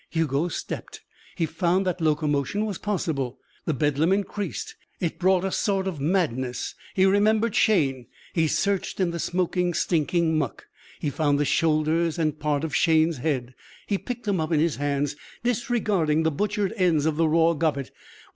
Hugo stepped. He found that locomotion was possible. The bedlam increased. It brought a sort of madness. He remembered Shayne. He searched in the smoking, stinking muck. He found the shoulders and part of Shayne's head. He picked them up in his hands, disregarding the butchered ends of the raw gobbet.